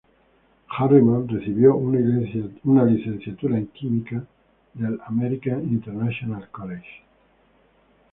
Harriman recibió una licenciatura en química del American International College.